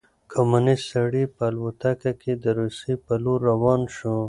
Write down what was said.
کمونیست سړی په الوتکه کې د روسيې په لور روان شو.